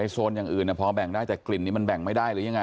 โซนอย่างอื่นพอแบ่งได้แต่กลิ่นนี้มันแบ่งไม่ได้หรือยังไง